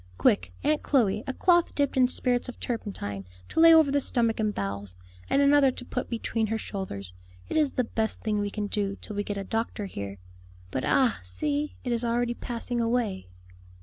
Quick, Aunt Chloe! a cloth dipped in spirits of turpentine, to lay over the stomach and bowels, and another to put between her shoulders. It is the best thing we can do till we get a doctor here. But, ah, see! it is already passing away."